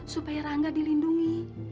supaya rangga dilindungi